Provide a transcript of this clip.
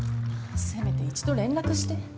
せめて一度連絡して。